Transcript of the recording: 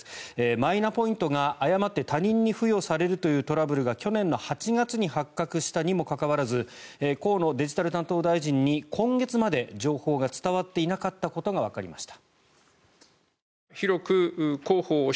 マイナポイントが誤って他人に付与されるというトラブルが去年の８月に発覚したにもかかわらず河野デジタル大臣に今月まで情報が伝わっていなかったことがわかりました。